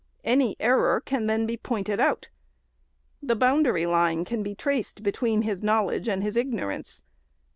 Any error can then be pointed out. The boundary line can be traced between his knowledge and his ignorance.